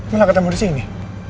melang ketemu di sini